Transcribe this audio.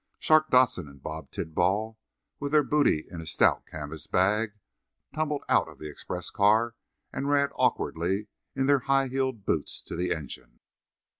Shark Dodson and Bob Tidball, with their booty in a stout canvas bag, tumbled out of the express car and ran awkwardly in their high heeled boots to the engine.